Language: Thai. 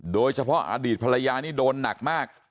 โดยเฉพาะอดีตภรรยานี่โดนหนักมาก